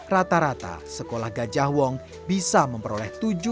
rata rata sekolah gajah wong bisa memperoleh